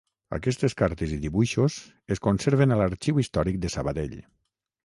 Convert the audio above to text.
Aquestes cartes i dibuixos es conserven a l’Arxiu Històric de Sabadell.